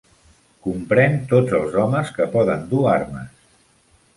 comprèn tots els homes que poden dur armes